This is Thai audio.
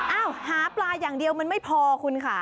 หาปลาอย่างเดียวมันไม่พอคุณค่ะ